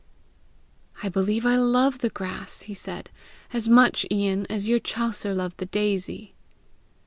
"I believe I love the grass," he said, "as much, Ian, as your Chaucer loved the daisy!"